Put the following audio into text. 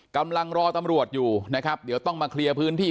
กำลังรอตำรวจอยู่นะครับเดี๋ยวต้องมาเคลียร์พื้นที่